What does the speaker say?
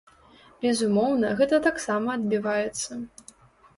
Безумоўна, гэта таксама адбіваецца.